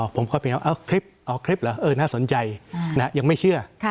ผมก็ไปแล้วเอาคลิปเอาคลิปเหรอเออน่าสนใจยังไม่เชื่อ